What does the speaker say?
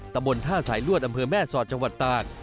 ตำบลท่าสายลวดอำเภอแม่สอดจังหวัดตาก